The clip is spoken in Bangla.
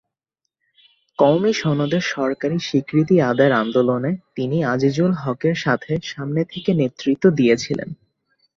কওমি সনদের সরকারি স্বীকৃতি আদায়ের আন্দোলনে তিনি আজিজুল হকের সাথে সামনে থেকে নেতৃত্ব দিয়েছিলেন।